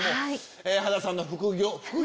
羽田さんの副業。